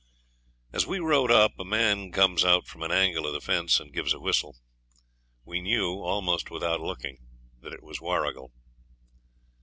As we rode up a man comes out from an angle of the fence and gives a whistle. We knew, almost without looking, that it was Warrigal.